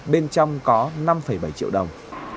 bên trong có năm bảy triệu đồng